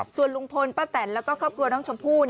ส่วนลุงพลป้าแตนแล้วก็ครอบครัวน้องชมพู่